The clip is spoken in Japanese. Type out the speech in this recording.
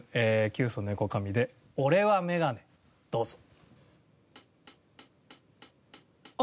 キュウソネコカミで『オレはメガネ』どうぞ。